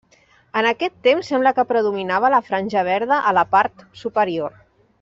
En aquest temps sembla que predominava la franja verda a la part superior.